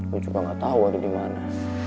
gue juga gak tau ada dimana